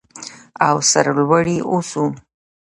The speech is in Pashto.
او سرلوړي اوسو.